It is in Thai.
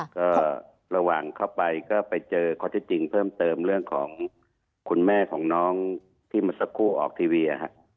ก็ระหว่างเข้าไปเพิ่มเติมเรื่องของคุณแม่ของน้องที่มาสักคู่ออกทีวี